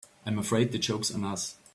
I'm afraid the joke's on us.